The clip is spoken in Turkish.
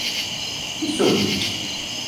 Hiç sorun değil.